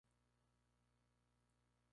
Pueden subir a los árboles en ausencia de ramas.